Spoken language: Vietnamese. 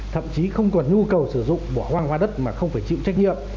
thậm chí không còn nhu cầu sử dụng bỏ hoang hoa đất mà không phải chịu trách nhiệm